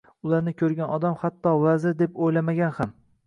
Ularni ko'rgan odam hatto vazir deb o'ylamagan ham.